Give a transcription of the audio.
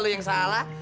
lu yang salah